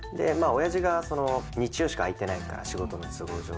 おやじが日曜しか空いてないから、仕事の都合上。